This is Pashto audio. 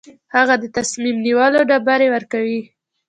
هغه د تصمیم نیولو ډبرې ورکوي.